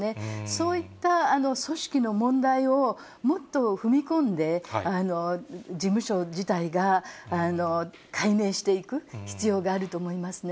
そういった組織の問題を、もっと踏み込んで、事務所自体が解明していく必要があると思いますね。